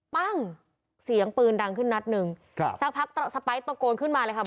ปั้งเสียงปืนดังขึ้นนัดหนึ่งครับสักพักสไปร์ตะโกนขึ้นมาเลยค่ะ